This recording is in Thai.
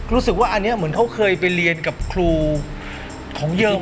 รู้สึกว่าอันนี้เหมือนเขาเคยไปเรียนกับครูของเยิม